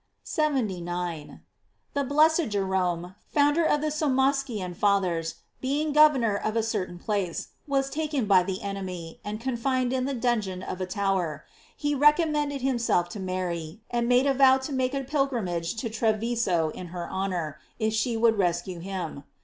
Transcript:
* 79. — The blessed Jerome, founder of the Sommaschian Fathers, being governor of a cer tain place, was taken by the enemy, and con fined in the dungeon of a tower. He recom mended himself to Mary, and made a vow to make a pilgrimage to Treviso in her honor, if she would rescue him.